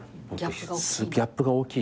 ギャップが大きい？